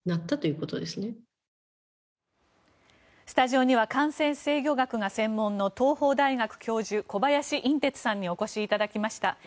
スタジオには感染制御学が専門の東邦大学教授、小林寅てつさんにお越しいただきました。